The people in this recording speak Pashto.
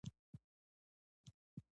بحیرا ویني وریځې پر کاروان سیوری کوي.